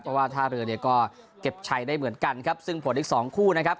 เพราะว่าท่าเรือเนี่ยก็เก็บชัยได้เหมือนกันครับซึ่งผลอีกสองคู่นะครับ